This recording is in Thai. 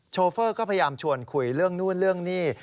โชเฟอร์ก็พยายามชวนคุยเรื่องนู่นเรื่องนี่